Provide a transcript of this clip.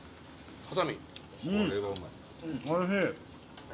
おいしい！